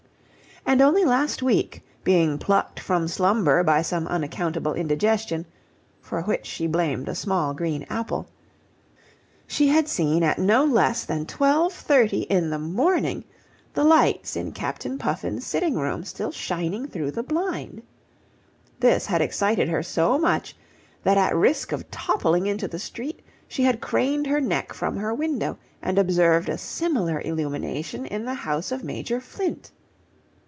And only last week, being plucked from slumber by some unaccountable indigestion (for which she blamed a small green apple), she had seen at no less than twelve thirty in the morning the lights in Captain Puffin's sitting room still shining through the blind. This had excited her so much that at risk of toppling into the street, she had craned her neck from her window, and observed a similar illumination in the house of Major Flint.